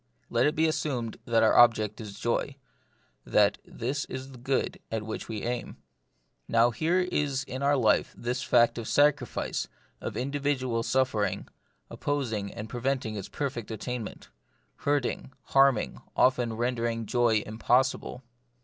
Let it be assumed that our object is joy, that this is the good at which we aim. Now here is in our life this fact of sacrifice, of individual suffering, opposing and preventing its perfect attainment ; hurting, harming, often render ing joy impossible.